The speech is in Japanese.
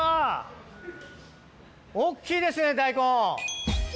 大っきいですね大根！